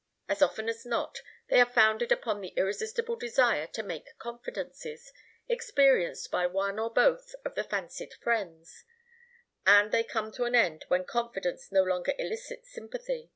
As often as not, they are founded upon the irresistible desire to make confidences, experienced by one or both of the fancied friends, and they come to an end when confidence no longer elicits sympathy.